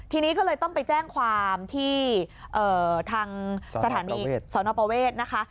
ทีนี้ก็เลยต้องไปแจ้งความที่ทางสถานีสนประเวทนะคะ